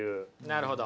なるほど。